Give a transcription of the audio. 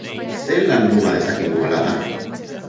Zelan muga dezakegu balada?